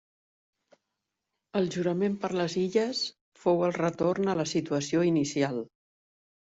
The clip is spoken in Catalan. El jurament per les Illes fou el retorn a la situació inicial.